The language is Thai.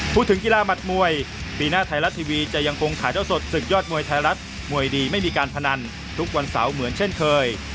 พูดถึงกีฬาหัดมวยปีหน้าไทยรัฐทีวีจะยังคงถ่ายเท่าสดศึกยอดมวยไทยรัฐมวยดีไม่มีการพนันทุกวันเสาร์เหมือนเช่นเคย